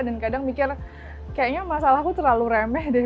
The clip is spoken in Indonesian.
dan kadang mikir kayaknya masalahku terlalu remeh deh